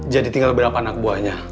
jadi tinggal berapa anak buahnya